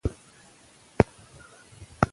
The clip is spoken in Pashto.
که تاسو غواړئ چې آزاد اوسئ نو مبارزه وکړئ.